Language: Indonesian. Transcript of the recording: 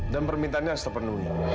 dan permintaannya harus terpenuhi